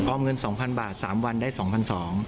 เงิน๒๐๐บาท๓วันได้๒๒๐๐บาท